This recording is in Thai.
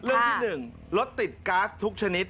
เรื่องที่๑รถติดก๊าซทุกชนิด